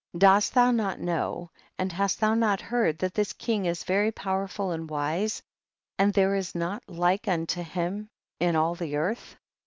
12. Dost thou not know a7id, hast thou not heard that this king is very powerful and wise, and there is not like unto him in all the earth